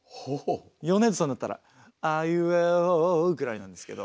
米津さんだったら「あいうえお」ぐらいなんですけど。